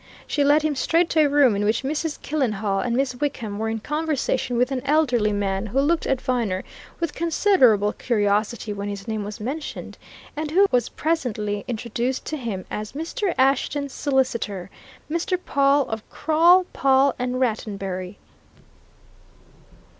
She led him straight to a room in which Mrs. Killenhall and Miss Wickham were in conversation with an elderly man, who looked at Viner with considerable curiosity when his name was mentioned, and who was presently introduced to him as Mr. Ashton's solicitor, Mr. Pawle, of Crawle, Pawle and Rattenbury.